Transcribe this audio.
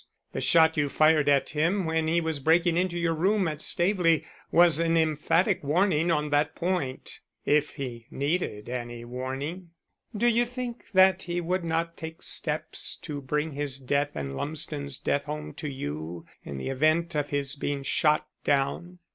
The shot you fired at him when he was breaking into your room at Staveley was an emphatic warning on that point, if he needed any warning. "Do you think that he would not take steps to bring his death and Lumsden's death home to you in the event of his being shot down?